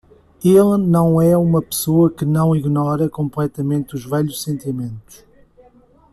Ele não é uma pessoa que não ignora completamente os velhos sentimentos.